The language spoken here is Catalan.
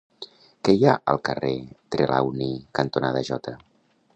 Què hi ha al carrer Trelawny cantonada Jota?